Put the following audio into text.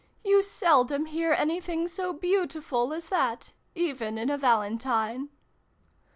"You seldom hear anything so beautiful as that even in a Valentine